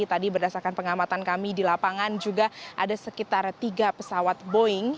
tadi berdasarkan pengamatan kami di lapangan juga ada sekitar tiga pesawat boeing